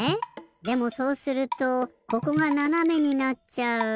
でもそうするとここがななめになっちゃう。